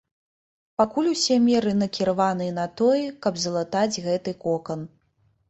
Пакуль усе меры накіраваныя на тое, каб залатаць гэты кокан.